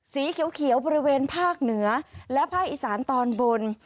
สีเขียวบริเวณภาคเหนือและภาคอีสานตอนบน